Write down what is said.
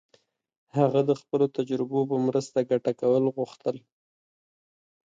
هغه د خپلو تجربو په مرسته ګټه کول غوښتل.